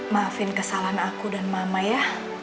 maafin kesalahan aku dan mama ya